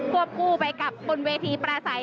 วบคู่ไปกับบนเวทีประสัย